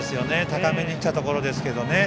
高めにきたところですけどね。